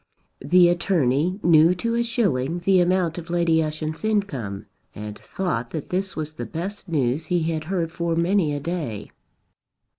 The attorney knew to a shilling the amount of Lady Ushant's income and thought that this was the best news he had heard for many a day.